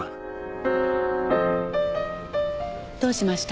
どうしました？